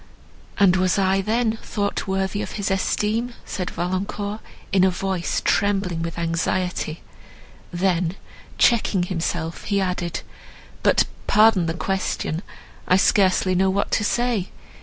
"And was I, then, thought worthy of his esteem?" said Valancourt, in a voice trembling with anxiety; then checking himself, he added, "But pardon the question; I scarcely know what I say.